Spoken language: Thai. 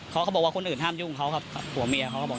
เขาบอกว่าคนอื่นห้ามยุ่งเขาครับผัวเมียเขาก็บอก